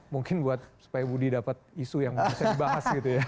mungkin buat supaya budi dapat isu yang bisa dibahas gitu ya